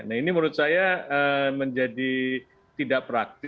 nah ini menurut saya menjadi tidak praktis